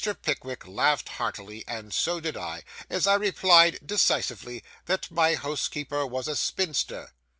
Pickwick laughed heartily, and so did I, as I replied decisively, that 'my housekeeper was a spinster.